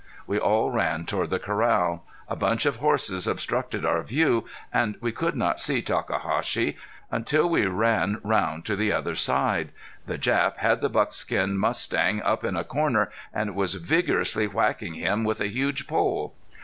We all ran toward the corral. A bunch of horses obstructed our view, and we could not see Takahashi until we ran round to the other side. The Jap had the buckskin mustang up in a corner and was vigorously whacking him with a huge pole.